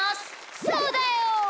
そうだよ！